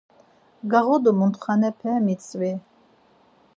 Gağodu mutxanepe mitzvi.